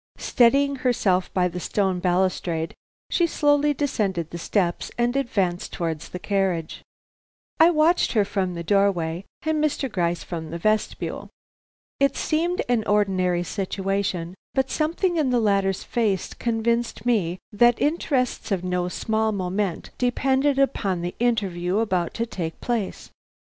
Steadying herself by the stone balustrade, she slowly descended the steps and advanced towards the carriage. I watched her from the doorway and Mr. Gryce from the vestibule. It seemed an ordinary situation, but something in the latter's face convinced me that interests of no small moment depended upon the interview about to take place.